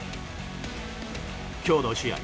今日の試合